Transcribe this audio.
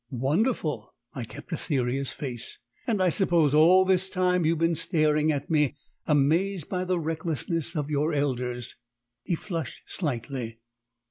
"Wonderful!" I kept a serious face. "And I suppose all this time you've been staring at me, amazed by the recklessness of your elders." He flushed slightly.